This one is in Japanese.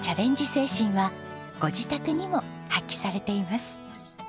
精神はご自宅にも発揮されています。